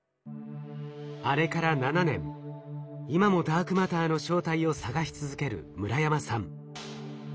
あれから７年今もダークマターの正体を探し続ける村山さん。